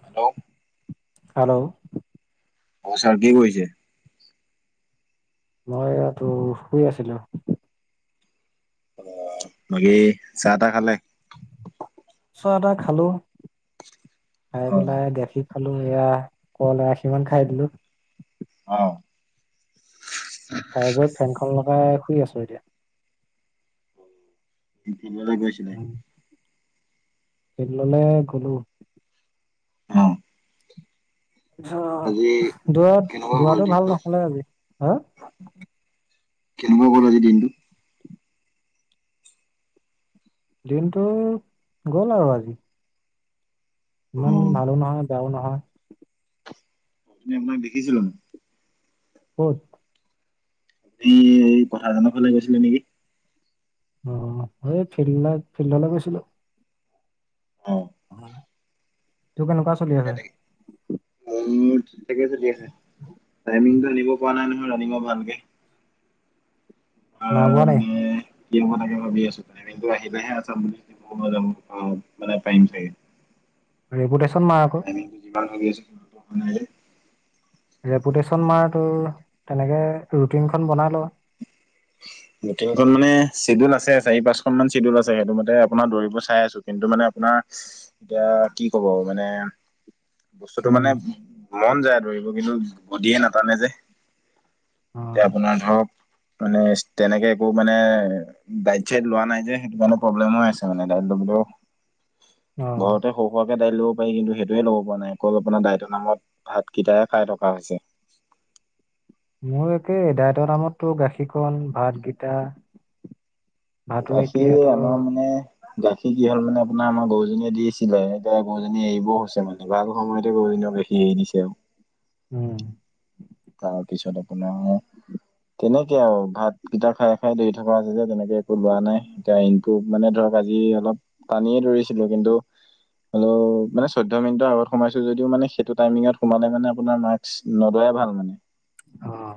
Hello. Hello. অ sir কি কৰিছে। মই ইাতো শুই আছিলো। বাকী চাহ তাহ খালে। এটা খালো খাই পেলাই অ দেখি। খালো এয়া কলে আশি মমান খাই দিলো। অ। চাই গৈ ফেনখন লগাই শুই আছো এতিয়া। তিটিবলে গৈছিলে। হেতুললে গলো। অ। আজি তাৰপিছত দৰা কেনেকুৱা গ'ল দৰাটো দিনটো? ভাল নহলে আজি হা। কেনেকুৱা কৰো আজি দিনটো। দিনটো গ'ল আৰু আজি। ইমান ভালো নহয় বেয়াও নহয়। আপনি আপোনাক দেখিছিলো। কত। তী এই কথা জনৰ ফালে গৈছিলে নেকি। অ এই ফিল্ড ফিল্ডলৈ গৈছিলো। অ। তোৰ কেনেকুৱা চলি আছে তিকাদালি মোৰ ঠিকে চলি আছে টাইমিং টো। লিব পৰা নাই নহয় ৰন্নিংৰ ভালকে। আহ নভোৱা নাই। মানে কি হব তাকে ভাবি আছো কিন্তু আহিলোহে আছাম বুলিদি মই মই যাম অ মানে পাৰিম চাগে। আৰু এইবোৰ দাইছ। ত যিমান ভাবি আছোই। ৰেপুটেশ্যন মাৰ তোৰ তেনেকে ৰুটিনখন বনাই ল। [unintelligible] মিটিংখন মানে ছেডুল আছে চাৰি পাঁচখন মান ছেডুল আছে সেইটো মতে আপোনাৰ দৌৰিব চাই আছো কিন্তু মানে আপোনাৰ। এতিয়া কি ক'ব মানে। বস্তুটো উম মানে মন যায় ধৰিব কিন্তু বদিয়ে নাতানে যে। অ এতিয়া আপোনাৰ ধৰক। মানে ইষ্ট তেনেকে একো মানে ডাইট চাইট লোৱা নাই যে সেইটো কাৰণে প্ৰব্লেম হৈ আছে মানে ডাইট লবলে। ত অ ঘৰতে সৰু খোৱা। দাইল ল'ব পাৰি কিন্তু সেইটোয়ে ল'ব পৰা নাই অকল আপোনাৰ দাইতৰ নামত ভাতকেইটাহে খাই থকা হৈছে। [inaudible] মোৰ একেদায়তৰ নামততো গাখীৰখন ভাতকিটা। গাখীৰ আমাৰ মানে গাখীৰ কি হ'ল মানে আপোনাৰ আমাৰ- গৰুজনীয়ে দিছিলে। এতিয়া গৰুজনী এৰিবও হৈছে মানে, ভাল সময়তে গৰুজনীয়ে বেছি এৰি দিছে আৰু। উম। তাৰপিছত আপোনাৰ, তেনেকে আৰু ভাত কেইটা খাই খাই ধৰি থকা আছে যে তেনেকে একো লোৱা নাই, এতিয়া ইনটো মানে ধৰ- আজি অলপ পানীয়ে দৌৰিছিলো, কিন্তু হলো মানে চৈধ্য মিনিটৰ আগত সোমাইছো, যদিও মানে সেইটো টাইমিঙত সোমালে মানে আপোনাৰ মাৰ্কছ নধৰাই ভাল মানে। অ‌।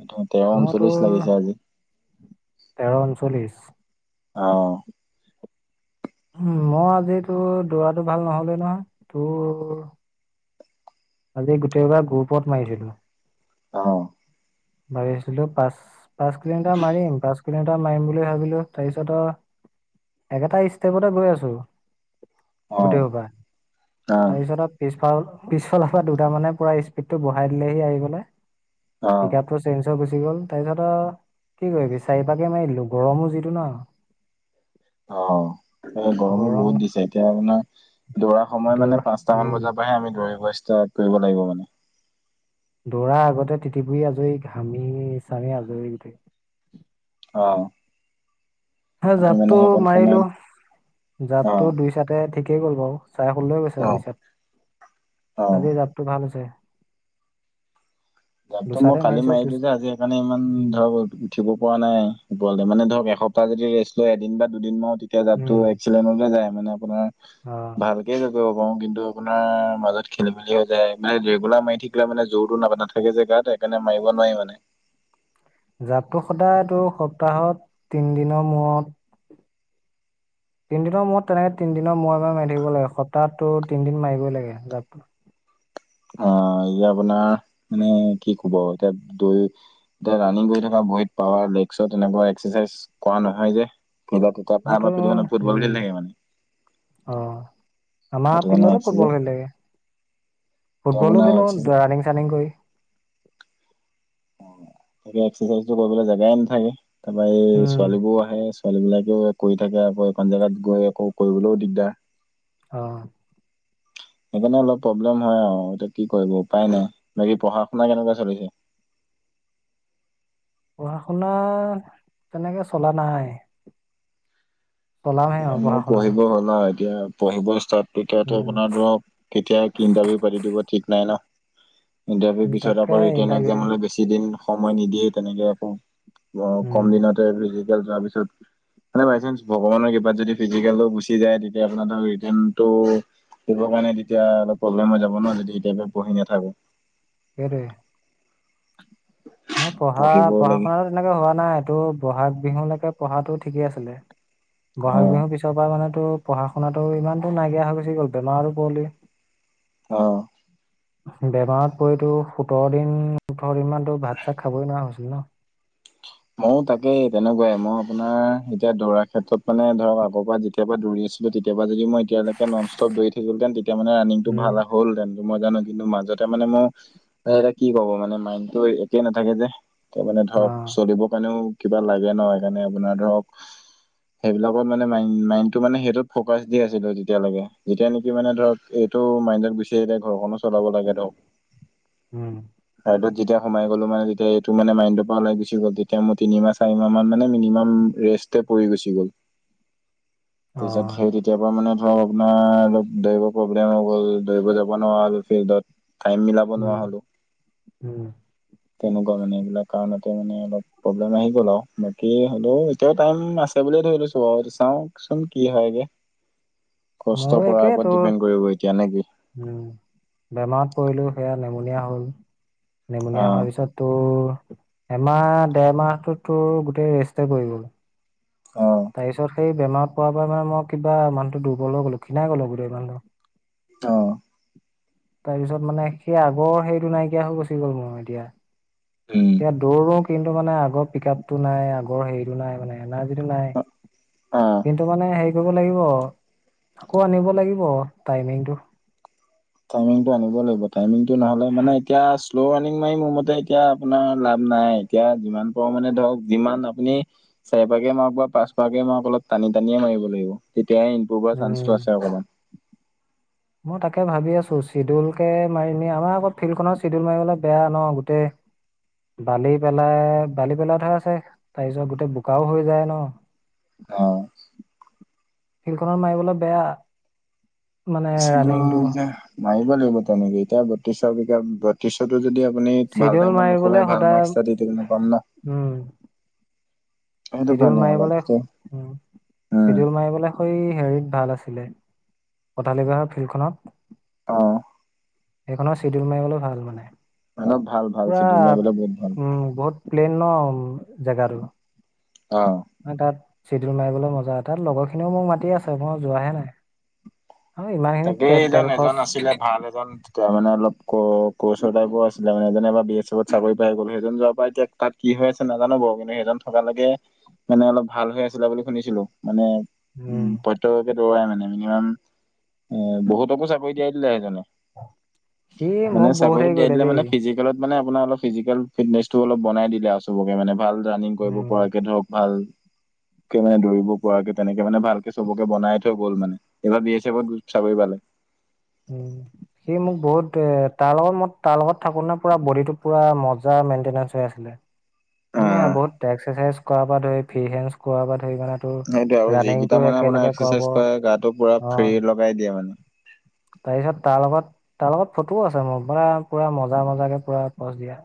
এইটো তেৰ মইতো ঊনচল্লিশ লাগিছে আজি তেৰ ঊনচল্লিশ, অ। উ মই আজিতো দৌৰাটো ভাল নহলেই নহয়। তোৰ আজি গোটেইবাৰ গ্ৰুপট মাৰিছিলোঁ। অ। মাৰিছিলো পাঁচ পাঁচ কিলোমিটাৰ মাৰিম পাঁচ কিলোমিটাৰ মাৰিম বুলি ভাবিলো তাৰপিছত অ, একেটা ষ্টেপতে গৈ আছো। অ গুতেইহুপা। অ তাৰপিছত পিছ- পিছফালৰ পৰা দুটা মানে পুৰা স্পীডটো বহাই দিলেহি আহি কিনে, অ পিক আপটো চে্জ- হৈ গুচি গ'ল। তাৰপিছত কি কৰিবি চাৰিপাকে মাৰি দিলো, গৰমো যিটো ন। অ এ গৰমো গৰম বহুত দিছে। এতিয়া আপোনাৰ দৌৰা সময় মানে দৌৰা পাঁচটা মান উম বজাৰ পৰাহে আমি দৌৰিব ষ্টাৰ্ট কৰিব লাগিব মানে। দৌৰাৰ আগতে তিতিপুৰি আজৰি ঘামি চামি আজৰি গোটেই, অঁ। হে জাপটো মাৰিলো, অ জাপটো দুই চাতে ঠিকেই গ'ল বাৰু। চাৰে ষোল্ল গৈছে অ আৰু দুই চাত অ আজিৰ জাপটো ভাল হৈছে। জাপতো মই দুচাতে কালি মাৰিছো মাৰিলো দু যে, আজি সেইকাৰণে ইমান উম ধৰক উঠিব পৰা নাই, গোৱালে মানে ধৰক। এসপ্তাহ যদি ৰেষ্ট লয়, এদিন বা দুদিন মাৰো তেতিয়া জাপটো উম এক্সেলেন্ততে যায়, মানে আপোনাৰ অ ভালকে যাব। কিন্তু আপোনাৰ মাজত খেলি মেলি হৈ যায়, মানে ৰেগুলাৰ মাৰি থাকিলে মানে জোৰতো নাপা- থাকে জে গাত। সেইকাৰণে মাৰিব নোৱাৰি মানে। জাপটো সদায়তো সপ্তাহত তিনি দিনৰ মূৰত তিনিদিনৰ মূৰত তেনেকে তিনিদিনৰ মূৰে মূৰে মাৰি থাকিব লাগে। সপ্তাহতো তিনদিন মাৰিবই লাগে জাপ। অ। অ এ আপোনাৰ মানে কি কব, এতিয়া দ এতিয়া ৰাণিং কৰি থকা ভৰি পাৱাৰ- লেগছ তেনেকুৱা এক্সাৰচাইজ কৰা নহয় যে। খা মই তেতিৰ তোৰ আমাৰে ফুটবল উম খেলি থাকে মানে অ আমাৰ সেইটো কাৰণে ফিল্ডটো এক্সাৰচাইজ এতিয়া ফুটবল খেলি থাকে। ফুটবলো আপোনাৰ খেলো এক্সাৰচাইজ ৰানিং চানিং কৰি। অ তাকে এক্সাৰচাইজটো কৰিবলৈ জাগাই নাথাকে, তাৰপা এই উম ছোৱালী বোৰ আহে। ছোৱালী বিলাকেও কৰি থাকে, আকৌ এই প জেগাত গৈ আকৌ কৰিবলৈও দিগদাৰ। অহ। সেইকাৰণে অলপ প্ৰব্লেম হয় আৰু এতিয়া কি কৰিব উপায় নাই। বাকি পঢ়া শুনা কেনেকোৱা চলিছে? [unintelligible] পঢ়া শুনা তেনেকে চলা নাই। চলামহে আৰু পঢ়া মোৰ শুনাটো পঢ়িব হ'ল আৰু এতিয়া, পঢ়িব ষ্টাৰ্ট তেতিয়াতো উম আপোনাৰ ধৰক কেতিয়া ইণ্টাৰভিউ পাতি দিব ঠিক নাই ন। ইণ্টাৰভিউৰ উম, পিছত তাকে আকৌ ৰিটাৰ্ণ ইণ্টাৰভিউ দিম একজামলে বেছি দিন সময় নিদিয়ে, তেনেকে আকৌ অ উম কম দিনতে ফিজিকেল যোৱাৰ পিছত মানে বাই চান্স ভগৱানৰ ক- যদি ফিজিকেল গুচি যায়, তেতিয়া আপোনাৰ ধৰ ৰিতেনটো পঢ়িবৰ কাৰণে তেতিয়া অলপ প্ৰব্লেম হৈ যাব ন, যদি এতিয়া পঢ়ি নাথাকো। কেৰে [unintelligible] মোৰ পঢ়া পঢ়িবও পঢ়া লাগে শুনাতো তেনেকে হোৱা নাই এইটো বহাগ বিহুলৈকে পঢ়াতো ঠিকে আছিলে অ বহাগ বিহু পিছৰ পৰা মানে টো পঢ়া শুনাতো ইমান দেৰি নাইকিয়া হৈ গৈছে গ'ল বেমাৰো পোৱলি অ বেমাৰত পৰিতো সোতৰ দিন ওঠৰ দিন মানতো ভাত চাত খাবই নোৱাৰা হৈছিল ন। ময় তাকে তেনেকুৱাই মই আপোনাৰ এতিয়া দৌৰা ক্ষেত্ৰত মানে ধৰক আ'ৰ পৰা যেতিয়াবা দৌৰি আছিলো তেতিয়া যদি মই এতিয়ালৈকে নষ্টপ দৈ থাকিলোঁতে তেতিয়া মে ৰানিংটো উম ভাল হলেতেন মই জানো কিন্তু মাজতে মানে মোৰ কি কব মানে মাইণ্ডতটো একেই নাথাকে যে। ত মানে অ ধৰক চলিব কাৰণেও কিবা লাগে ন সেইকাৰণে আপোনাৰ ধৰক সেইবিলাকত মানে ম মাইণ্ডটো মানে সেইটোত ফকাচ দি আছিলো তেতিয়ালৈকে যেতিয়া নেকি মানে ধৰক সেইটো মাইণ্ডক গুচিয়া ঘৰখনো চলাব লাগে ধৰক উম যেতিয়া সোমাই গলো মানে তেতিয়া এইটো মানে মাইন্ড পৰা ও গ তেতিয়া মোৰ তিনিমাহ চাৰি মাহ মান মানে মিনিমাম ৰেষ্ট পৰি গুচি গ'ল। অ তাৰিছত সেই তেতিয়া পৰা মানে ধৰ আপোনাৰ অলপ দৌৰিব প্ৰব্লেম হৈ গ'ল দৌৰিব যাব নোৱাৰো ফিল্ডত টাইম মিলাব নোৱাৰা উম হলো উম তেনেকুৱা মানে এইবিলাক কাৰণত এতিয়া মানে অলপ প্ৰব্লেম আহি গ'ল আৰু বাকী হ'লেও এতিয়াও টাইম আছে বুলিয়ে ধৰি লৈছোঁ বাৰ চাওঁক চোন কি হয় গে মোৰো কষ্ট কৰাৰ একেই ওপৰত তোৰ ডিপেণ্ড কৰিব এতিয়া নেকি? কৰিলো সেয়া নেমুনীয়া হল অ নেমুনিয় হোৱাৰ পিছত তো। এমাহ দেৰমাহটো তোৰ গোটেই ৰেষ্টে পৰি গ'ল। অ তাৰ পিছত সেই বেমাৰত পোৱাৰ পৰা মানে মই কিবা মানুহটো দুৰ্বল হৈ গ'লো ক্ষীণাই গ'লো গোটেই মানুহটো অ। তাৰপিছত মানে সেই আগৰ সেইটো নাইকিয়া হৈ গুচি গ'ল মোৰ এতিয়া উম এতিয়া দৌৰো কিন্তু মানে আগৰ পিক আপতটো নাই আগৰ হেৰিটো নাই মানে। যিটো নাই অ কিন্তু মানে সেই লাগ আকৌ আনিব লাগিব টাইমিংটো। টামিংটো লাগিব নহলে মানে এতিয়া শ্ল' ৰাণিং মাৰি মোৰ মতে এতিয়া আপোনাৰ লাভ নাই এতিয়া যিমান পাৰ মণে ধৰক যিমান আপুনি চাৰি পাকে মাৰক বা পাঁচ পাকে মাৰো অলপ টানি টানিয়ে মাৰিব লাগিব। তেতিয় ইনপ্ৰভৰ উম। চান্সটো আছে অকণমান মই তাকে ভাবি আছো চিডিউল কে মাৰি আমাৰ আকৌ ফিল্ড খত চিডউুল মাৰিবলৈ বেয়া ন গোটেই বালি পেলাই বালি পেলাইহে আছে তাৰপিছত গোটেই বোকাও হৈ যায় ন অ ফিল্ডখনত মাৰিবলে বেয়া। মানে [unintelligible] ৰানিংটো মাৰিব লাগিব তেনেকে। এতিয়া বত্ৰিশ মিটাৰ বত্ৰিশতো যদি আপুনি ভাল চিডিউল টাইমত মাৰিবলৈ নোখুলাই ভাল সদায় মাৰ্কচ এটা দি দিম নাপাম ন। উম সেইটো চিডিউল কাৰণে অলপ মাৰিবলৈ উ উম চিডিউল মাৰিবলৈ সৈ হেৰিত ভাল আছিলে কঠালিগহাৰ ফিল্ডখনত। অ। এইখনৰ চিডিউল মাৰিবলৈ ভাল মানে। অলপ ভাল ভাল পুৰা চিটো মাৰিবলে বহুত ভাল উম বহুত প্লেন ন জাগটো অ আৰু তাত চিদিউল মাৰিবলৈ মজা হয়। তাত লগৰ খিনিও মোক মাতি আছে। মই যোৱাহে নাই। আৰু ইমান খিনি তাকেই জন তেল এজন খৰচ আছিলে ভাল এজন তেওঁ মানে অলপ ক কৰচৰ টাইপৰ আছিলে মানে যেনে আমাৰ বি এছ এফত চাকৰি পাই গ'লো। সেইজন যোৱাৰ পৰা এতিয়া তাত কি হৈ আছে নাজানো বাৰু। কিন্তু সেইজন থকালৈকে মানে অলপ ভাল হৈ আছিলে বুলি শুনিছিলো। মানে উম প্ৰত্যেককে দৌৰাই মানে। মিনিমাম এ বহুতকো চাকৰি দিয়াই দিলে সেইজনে। সি মানে মোক বহুত চাকৰিত হেৰি দিয়াই কৰিলে দিলে দেই মানে ফিজিকেলত মানে আপোনাৰ অলপ ফিজিকেল ফিটনেচটো অলপ বনাই দিলে আৰু চবকে মানে ভাল ৰানিং কৰিব উম পৰাকে। ধৰক ভাল কে মানে দৰিব পৰাকে তেনেকে মানে ভালকে চবকে বনাই থৈ গ'ল মানে। এইবাৰ বি এছ এফত গ চাকৰি পালে। উম সি মোক বহুত এ তাৰ লগত মই তাৰ লগত থাকো নে পুৰা বডিটো পুৰা মজা মেইনটেনেনচ হৈ আছিলে। মানে অ', বহুত এক্সাৰচাইজ কৰাৰ পৰা ধৰি ফিহেনচ কৰাৰ পৰা ধ হেৰি মানে তোৰ সেইটোৱে আৰু যিকেইটা ৰাণিংটো মানে আপোনাৰ একেলগে কৰাব। এক্সাৰচাইজ কৰে গাটো পুৰা ফ্ৰী অঁ লগাই দিয়ে মানে। তাৰপিছত তাৰ লগত তাৰ লগত ফটোও আছে মোৰ। মানে পুৰা মজা-মজাকে পুৰা পজ দিয়া।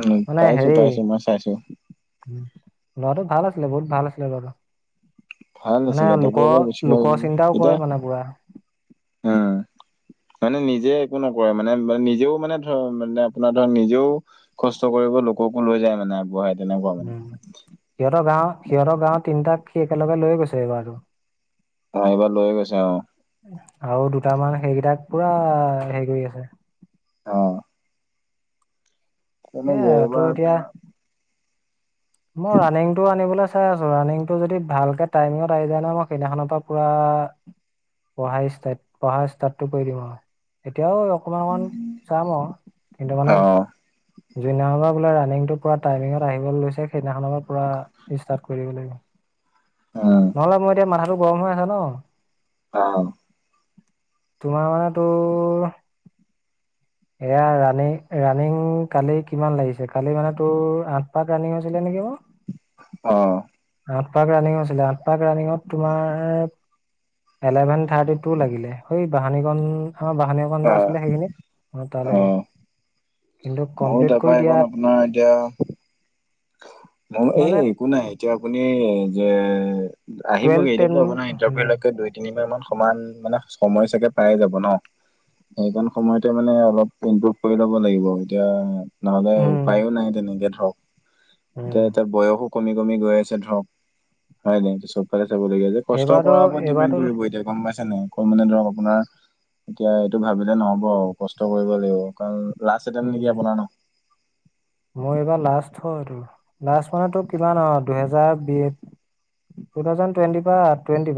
উম মানে হেৰি পাইছো-পাইছো, ম‌ই চাইছোঁ। উম, ল'ৰাটো ভাল আছিলে, বহুত ভাল আছিলে ল'ৰাটো। ভাল মানে আছিলে তাকে এবাৰ গুচি লোকৰ-লোকৰ চিন্তাও কৰে মানে পুৰা। আ। মানে নিজে একো নকৰে মানে নিজেও মানে ধৰ মানে আপোনাৰ ধৰক নিজেও কষ্ট কৰি ব লোককো লৈ যায় মানে আগবঢ়াই। তেনেকুৱা মানে সিহঁতৰ গাঁৱৰ, সিহঁতৰ গাঁৱৰ তিনটাক সি একেলগে লৈ গৈছে এইবাৰটো। অ', এইবাৰ লৈ গৈছে অ'। আৰু দুটা মান সেইকেইটাক পুৰা হেৰি কৰি আছে। অঁ। এ তেনেকে তোৰ এইবাৰ এতিয়া আপোনাৰ মই ৰানিংটো [unintelligible] চাই আছো। ৰানিংটো যদি ভালকে টাইমিঙত আহি যায় ন, মই সেইদিনাখনৰ পৰা পুৰা পঢ়া ষ্টাৰ্ট, পঢ়া ষ্টাৰ্টটো কৰি দিম আও। এতিয়াও বাৰু অকমান অকমান চাম আও কিন্তু মানে অ জুনিয়া বা পৰা বোলে ৰানিংটো পুৰা টাইমিঙত আহিবলৈ লৈছে। সেইদিনাখনৰ পৰা পুৰা ষ্টাৰ্ট কৰি দিব লাগিব। উম নহলে মোৰ এতিয়া মাথাটো গৰম হৈ আছে ন। অহ। তোমাৰ মানে তোৰ এয়া ৰানিং-ৰানিং কালি কিমান লাগিছে, কালি মানে তোৰ আঠ পাক ৰানিং হৈছিলে নেকি মোৰ। অঁ। আঠ পাক ৰানিং হৈছিলে। আঠ পাক ৰাণিঙত তোমাৰ এলেভেন থাৰ্টি টু লাগিলে। সেই বাঁহনি খন আমাৰ বাঁহনি অকণ আছিলে যে সেইখিনিত তাৰলৈকে। ময়‌ও তাৰ পা এইখন আপোনাৰ এতিয়া এ মানে একো নাই, এতিয়া আপুনি এই আহিব। [unintelligible] টুৱেলভ টেন ইণ্টাৰভিউ উম লৈকে দুই তিনি বাৰ মান সমান মানে সময় চাগে প্ৰায়ে যাব ন? সেইকণ সময়তে মানে অলপ ইমপ্ৰুভ কৰি ল'ব লাগিব এতিয়া ‍ নহ'লে উম উপায়ো নাই তেনেকে ধৰক উম এতিয়া-এতিয়া বয়সো কমি-কমি গৈ আছে ধৰক হয় নাই চবফালে চাবলগীয়া হৈছে কষ্টৰ এইবাৰতো কৰাৰ ওপৰত ডিপেন এইবাৰতো কৰিব এতিয়া গম পাইছ তেনেকৈ মানে ধৰক আপোনাৰ এতিয়া এইটো ভাবিলে নহ'ব আৰু কষ্ট কৰিবই লাগিব কাৰণ লাষ্ট এটাইম নেকি আপোনাৰ নিকি ন মই এইবাৰ লাষ্ট হয় লাষ্ট মান তোৰ কিমান অ দুহেজাৰ বি টু থ্ৰাউজেন টুৱেনটি পা অ টুৱেন্টি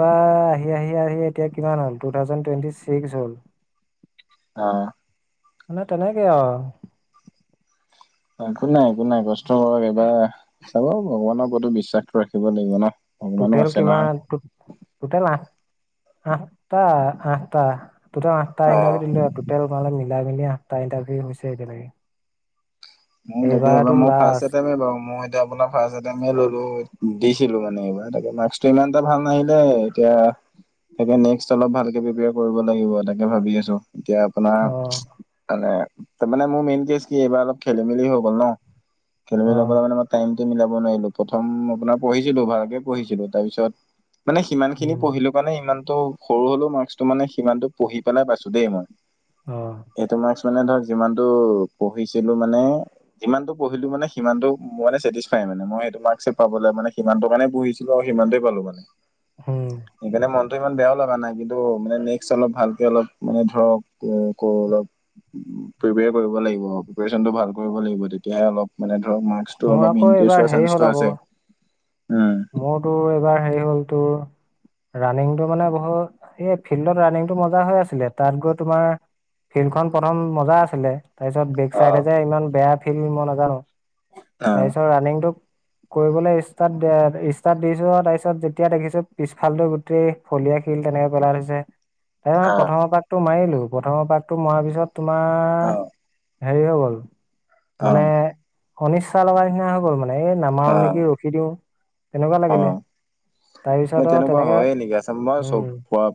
পৰা আহি-আহি-আহি এতিয়া কিমান হ'ল? টুথ্ৰাউজেন টুৱেন্টি চিক্স হ'ল। আহ! মানে তেনেকে আৰু। একো নাই একো নাই কষ্ট কৰক এইবাৰ চাব ভগৱানৰ ওপৰতো বিশ্বাসটো ৰাখিব লাগিব ন। ভগৱানো টোট্ৰেল আছে নহয়। কিমান টোট্ৰেল আঠ আঠটা আঠটা। টুট্ৰেল আঠটা অ'। ইণ্টাৰভিউ দিলে আৰু মিলাইটুট্ৰেল মিলি আঠটা ইণ্টাৰভিউ হৈছে এতিয়ালৈকে। মও তাকে এইবাৰতো এবাৰ মও ফ্ৰাষ্ট লাষ্ট অতেমে বাৰু মই এতিযা আপোনাৰ ফ্ৰষ্ট আটেমে ললোঁ। দিছিলোঁ মানে এইবাৰ তাকে মাক্কসটো ইমান এটা ভাল নাহিলে এতিয়া। তাকে নেক্স অলপ ভালকে প্ৰিপেয়াৰ কৰিব লাগিব তাকে ভাবি আছোঁ। এতিয়া আপোনাৰ অ মানে তাৰ মানে তামানে মোৰ মেইন কেচ কি এইবাৰ অলপ। খেলি মেলি হৈ গ'ল ন খেলি অ মেলি হৈ গ'লে মানে মই টাইম। মিলাব নোৱাৰিলোঁ প্ৰথম আপোনাৰ পঢ়িছিলোঁ ভালকে পঢ়িছিলোঁ তাৰপিছত। মানে সিমান খিনি উম পঢ়িলোঁ কাৰণে ইমানতটো সৰু হ'লে মাৰ্কচটো মানে সিমানতটো পঢ়ি পেলাই পাইছোঁ দেই মই। অ এইটো মাক্স মানে ধৰ যিমানতটো পঢ়িছিল। মানে যিমানটো পঢ়িলোঁ মানে সিমানতটো মানে চেটিক্ষ্ফাই মানে মই সেইটো মাৰ্ক পাব মানে সিমান। হেটো কাৰানে পুঢ়িছিলো আৰু সিমানতে পালোঁ মানে উম সেইকাৰণে মন। ইমান বেয়াও লগবা নাই কিন্তু মানে নেক্স অলপ ভালকে অলপ মানে ধৰক কৰোঁ অলপ। প্ৰিপয়াৰ কৰিব লাগিব প্ৰিপেৰেশন ভাল কৰিব লাগিব তেতিয়াহে অলপ। মানে ধৰ মাৰ্ক্সটো মোৰ অলপ আকৌ ইনক্ৰিজ এইবাৰ হোৱা হেৰি হ'ল শান্সটো আকৌ আছে। উম। মোৰ তোৰ এবাৰ হেৰি হ'ল তোৰ। ৰানিংটো মানে বহুত এই ফিল্ডত ৰানিংটো মজা হৈ আছিলে তাত গৈ তোমাৰ। ফিল্ডখন প্ৰথম মজা আছিলে। তাৰপিছত বেক অ'। চাইডে যে ইমান বেয়া ফিল্ড মই নাজানোঁ অ'। তাৰপিছত ৰানিংটো। কৰিবলৈ ষ্টাৰ্ট অ। ষ্টাৰ্ট দিছো তাৰপিছত যেতিয়া দেখিছোঁ পিছফালতটো গোটেই ফলিয়া শিল তেনেকে পেলাই থৈছে। তাৰ মই অ'। প্ৰথমৰ পাকটো মাৰিলোঁ প্ৰথমৰ পাকটো মৰাৰ পিছত তোমাৰ অ', হেৰি হৈ গ'ল মানে অ', অনিচ্ছা লগা নিচিনা হৈ গ'ল মানে। নাই নামাৰু অ', নেকি ৰখি দিওঁ তেনেকুৱা লাগিলে। এ তাৰপিছত আৰু তেনেকুৱা তেনেকে হয়য়ে নেকি আ মই চব উম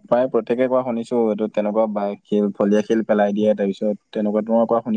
প্ৰায় প্ৰত্যেকে ক শুনিছোঁ এইটো। তেনেকুৱা বা শিল ফলীয়া শিল পেলাই দিয়ে তাৰ পিছত তেনেকুৱা ধৰ পৰা শু।